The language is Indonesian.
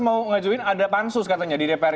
mau ngajuin ada pansus katanya di dpr